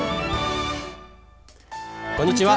こんにちは。